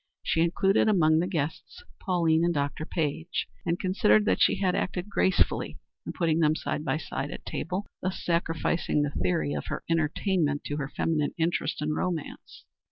She included among the guests Pauline and Dr. Page, and considered that she had acted gracefully in putting them side by side at table, thus sacrificing the theory of her entertainment to her feminine interest in romance.